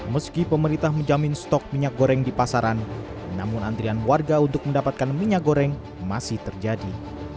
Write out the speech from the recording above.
meski pemerintah menjamin stok minyak goreng di pasaran namun antrian warga untuk mendapatkan minyak goreng masih terjadi